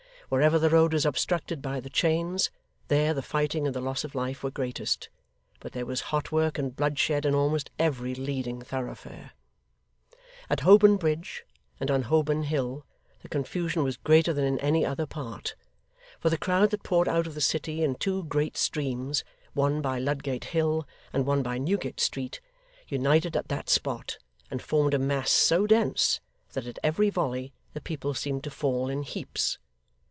Wherever the road was obstructed by the chains, there the fighting and the loss of life were greatest; but there was hot work and bloodshed in almost every leading thoroughfare. At Holborn Bridge, and on Holborn Hill, the confusion was greater than in any other part; for the crowd that poured out of the city in two great streams, one by Ludgate Hill, and one by Newgate Street, united at that spot, and formed a mass so dense, that at every volley the people seemed to fall in heaps.